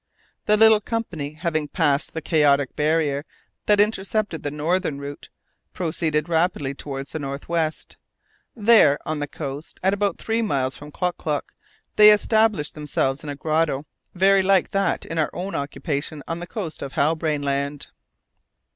The little company, having passed the chaotic barrier that intercepted the northern route, proceeded rapidly towards the north west. There, on the coast, at about three miles from Klock Klock, they established themselves in a grotto very like that in our own occupation on the coast of Halbrane Land.